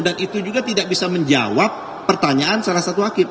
dan itu juga tidak bisa menjawab pertanyaan salah satu wakil